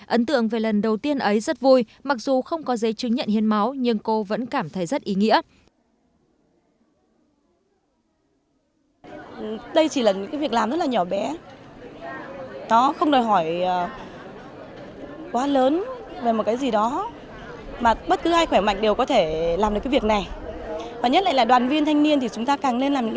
ấn tượng về lần đầu tiên ấy rất vui mặc dù không có giấy chứng nhận hiến máu nhưng cô vẫn cảm thấy rất ý nghĩa